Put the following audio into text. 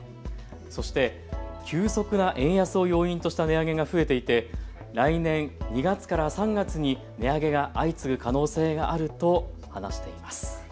そして急速な円安を要因とした値上げが増えていて来年２月から３月に値上げが相次ぐ可能性があると話しています。